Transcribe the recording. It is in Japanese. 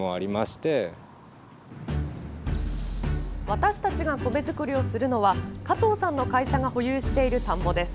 私たちが米作りをするのは加藤さんの会社が保有している田んぼです。